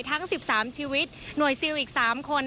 ทั้ง๑๓ชีวิตหน่วยซิลอีก๓คน